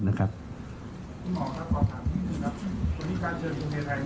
คุณหมอครับขอถามนี้หนึ่งครับ